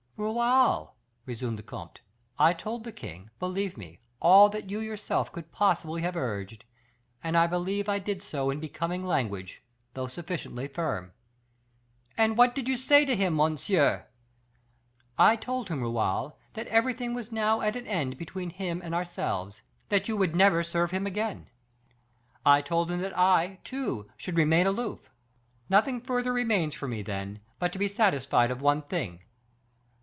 "Raoul," resumed the comte, "I told the king, believe me, all that you yourself could possibly have urged, and I believe I did so in becoming language, though sufficiently firm." "And what did you say to him, monsieur?" "I told him, Raoul, that everything was now at an end between him and ourselves; that you would never serve him again. I told him that I, too, should remain aloof. Nothing further remains for me, then, but to be satisfied of one thing."